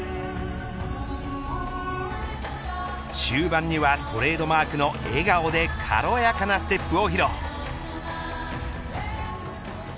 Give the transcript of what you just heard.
終盤にはトレードマークの笑顔で軽やかなステップを披露。